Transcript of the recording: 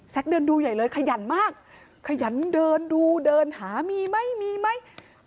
เดินดูใหญ่เลยขยันมากขยันเดินดูเดินหามีไหมมีไหม